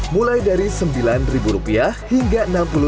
mulai dari rp sembilan hingga